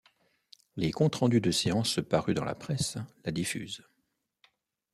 Les comptes-rendus de séance parus dans la presse la diffusent.